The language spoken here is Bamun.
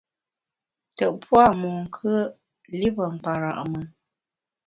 Tùt pua’ monkùe’, li pe nkpara’ mùn.